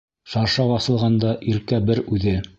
Шаршау асылғанда Иркә бер үҙе.